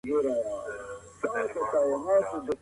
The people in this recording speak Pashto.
څوک چي ډېر لولي ښه ليکل کولای سي.